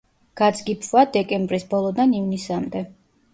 გაძგიფვა დეკემბრის ბოლოდან ივნისამდე.